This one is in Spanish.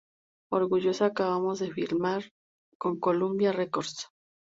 Orgullosa acabamos de firmar con Columbia Records.